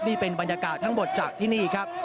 นี่เป็นบรรยากาศทั้งหมดจากที่นี่ครับ